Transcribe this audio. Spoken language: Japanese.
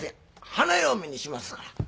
花嫁にしますから。